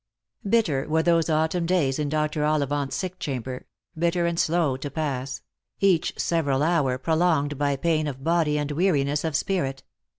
Bitter were those autumn days in Dr. Ollivant's sick chamber ; bitter and slow to pass ; each several hour prolonged by pain of body and weariness of spirit.